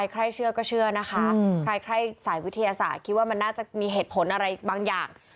ใครเชื่อก็เชื่อนะคะใครสายวิทยาศาสตร์คิดว่ามันน่าจะมีเหตุผลอะไรบางอย่าง